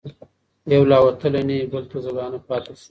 یو لا وتلی نه وي بل ته زولانه پاته سي